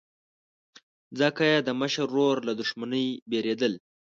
ځکه یې د مشر ورور له دښمنۍ بېرېدل.